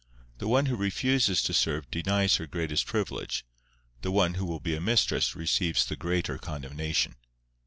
The one who refuses to serve denies her greatest privilege; the one who will be a mistress receives the greater condemnation.